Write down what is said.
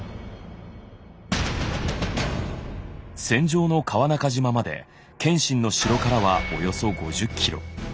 戦場の川中島まで謙信の城からはおよそ５０ｋｍ。